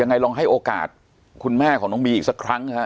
ยังไงลองให้โอกาสคุณแม่ของน้องบีอีกสักครั้งฮะ